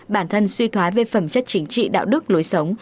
bản thân suy thoái về phẩm chất chính trị đạo đức lối sống